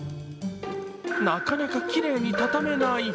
なかなかきれいにたためない。